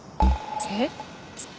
えっ？